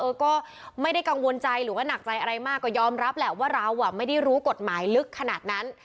เออก็ไม่ได้กังวลใจหรือว่าหนักใจอะไรมากก็ยอมรับแหละว่าเราอ่ะไม่ได้รู้กฎหมายลึกขนาดนั้น